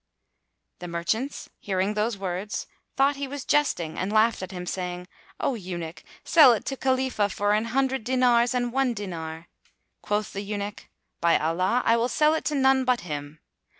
The merchants, hearing these words, thought he was jesting and laughed at him, saying, "O eunuch sell it to Khalifah for an hundred dinars and one dinar!" Quoth the eunuch, "By Allah, I will sell it to none but him!